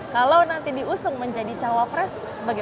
kalau nanti diusung menjadi calon pres bagaimana pak